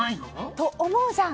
と思うじゃん。